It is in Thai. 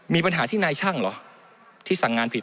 มีปัญหาที่นายช่างเหรอที่สั่งงานผิด